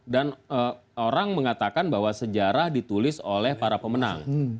dan orang mengatakan bahwa sejarah ditulis oleh para pemenang